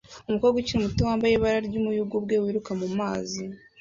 umukobwa ukiri muto wambaye ibara ry'umuyugubwe wiruka mu mazi